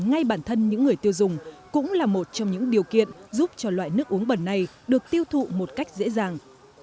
ngay bản thân những người tiêu dùng cũng là một trong những điều kiện giúp cho loại nước uống bẩn này được tiêu thụ một cách dễ dàng